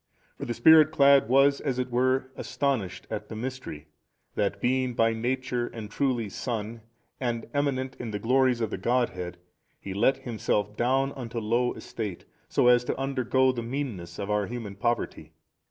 For the Spirit clad was as it were astonished at the Mystery, that being by Nature and truly Son and Eminent in the glories of the Godhead He let Himself down unto low estate, so as to undergo the meanness of our human poverty.